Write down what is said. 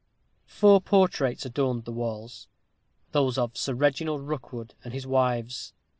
Four portraits adorned the walls: those of Sir Reginald Rookwood and his wives.